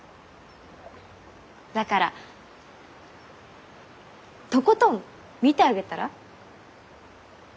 だからとことん見てあげたら？